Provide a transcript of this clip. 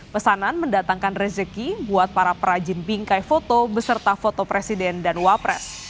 pesanan mendatangkan rezeki buat para perajin bingkai foto beserta foto presiden dan wapres